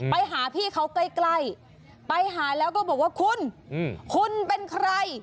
ไปหาพี่เขาใกล้ไปหาแล้วก็บอกว่าคุณคุณเป็นใคร